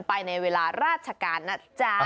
ไปในเวลาราชการนะจ๊ะ